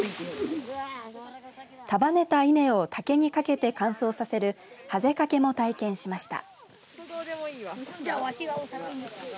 束ねた稲を竹にかけて乾燥させるはぜ掛けも体験しました。